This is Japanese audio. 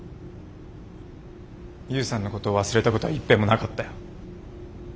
悠さんのことを忘れたことはいっぺんもなかったよ。